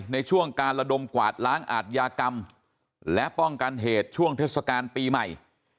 ในช่วงการระดมกวาดล้างอาทยากรรมและป้องกันเหตุช่วงเทศกาลปีใหม่